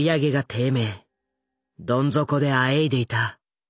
どん底であえいでいた。